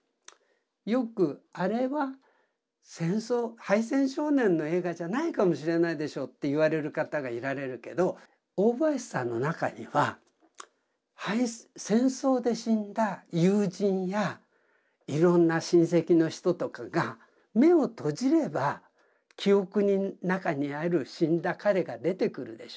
よくあれは敗戦少年の映画じゃないかもしれないでしょうって言われる方がいられるけど大林さんの中には戦争で死んだ友人やいろんな親戚の人とかが目を閉じれば記憶の中にある死んだ彼が出てくるでしょ。